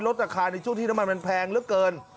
ลดราคาในช่วงที่น้ำมันมันแพงเหลือเกิน